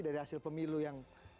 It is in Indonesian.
dari hasil pemilu yang